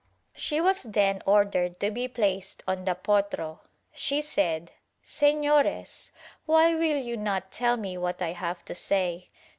She was then ordered to be placed on the potro. She said "Sefiores, why will you not tell me what I have to say